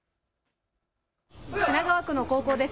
品川区の高校です。